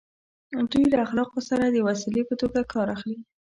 دوی له اخلاقو څخه د وسیلې په توګه کار اخلي.